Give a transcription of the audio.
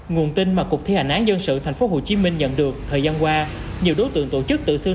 nguồn tin mà cục thi hành án dân sự tp hcm nhận được thời gian qua nhiều đối tượng tổ chức tự xưng